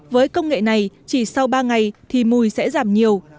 với công nghệ này chỉ sau ba ngày thì mùi sẽ giảm nhiều